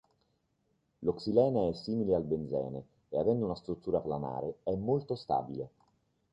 Lo xilene è simile al benzene e avendo una struttura planare è molto stabile.